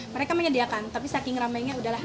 mereka menyediakan tapi saking ramainya udahlah